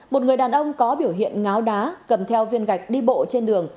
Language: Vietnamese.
một người đàn ông có biểu hiện ngáo đá cầm theo viên gạch đi bộ trên đường